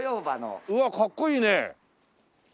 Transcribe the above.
うわかっこいいね。